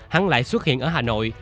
hắn lại xuất hiện ở hà nội